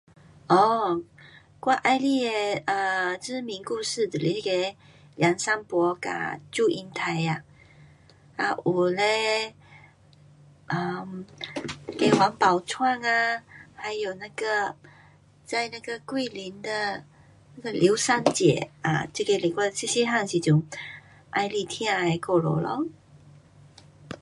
哦，我喜欢的啊，知名故事就是那个梁山伯跟祝英台呀，还有嘞 um 那个王宝钏啊，还有那个在那个桂林的刘三姐，啊这个是我小小汉时阵喜欢听的故事咯。